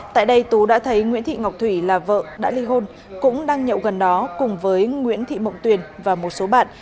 tại đây tú đã thấy nguyễn thị ngọc thủy là vợ đã ly hôn cũng đang nhậu gần đó cùng với nguyễn thị mộng tuyền và một số bạn